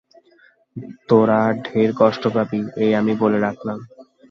তোরা ঢের কষ্ট পাবি, এই আমি বলে রাখলাম।